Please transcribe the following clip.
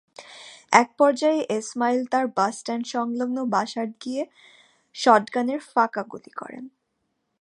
একপর্যায়ে এসমাইল তাঁর বাসস্ট্যান্ড-সংলগ্ন বাসায় গিয়ে প্রথমে শটগানের ফাঁকা গুলি করেন।